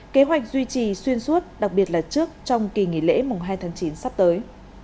kế hoạch duy trì xuyên suốt đặc biệt là trước trong kỳ nghỉ lễ mùng hai tháng chín sắp tới